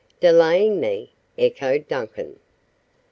"Delaying me!" echoed Duncan.